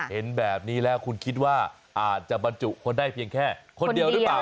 เห็นแบบนี้แล้วคุณคิดว่าอาจจะบรรจุคนได้เพียงแค่คนเดียวหรือเปล่า